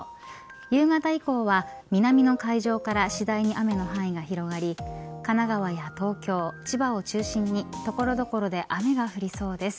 夕方以降は、南の海上からしだいに雨の範囲が広がり神奈川や東京、千葉を中心に所々で雨が降りそうです。